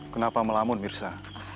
kenapa melamun mirsa